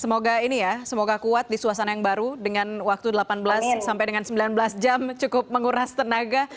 semoga ini ya semoga kuat di suasana yang baru dengan waktu delapan belas sampai dengan sembilan belas jam cukup menguras tenaga